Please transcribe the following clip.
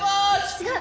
違う。